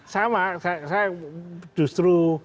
sama saya justru